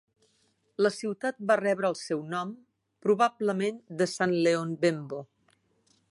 La ciutat va rebre el seu nom probablement de Sant Leon Bembo.